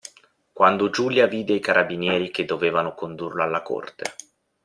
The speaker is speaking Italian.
Quando Giulia vide i carabinieri che dovevano condurlo alla Corte.